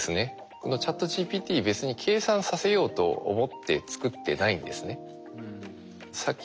このＣｈａｔＧＰＴ別に計算させようと思って作ってないんですね。